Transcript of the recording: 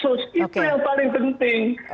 itu yang paling penting